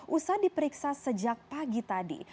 usah diperiksa sejak pagi tadi